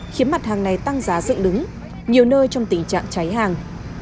khiến mặt hàng này tăng giá dựng đứng nhiều nơi trong tình trạng cháy hàng